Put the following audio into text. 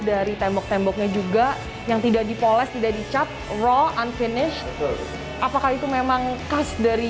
dari tembok temboknya juga yang tidak dipoles tidak dicap roll unfinish apakah itu memang khas dari